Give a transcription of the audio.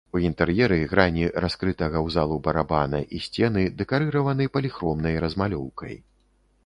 У інтэр'еры грані раскрытага ў залу барабана і сцены дэкарыраваны паліхромнай размалёўкай.